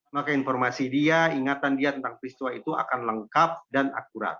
maka informasi dia ingatan dia tentang peristiwa itu akan lengkap dan akurat